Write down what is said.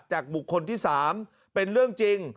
บุคคลที่๓เป็นเรื่องจริง